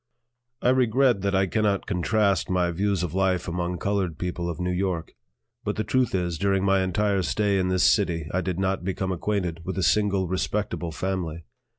I regret that I cannot contrast my views of life among colored people of New York; but the truth is, during my entire stay in this city I did not become acquainted with a single respectable family.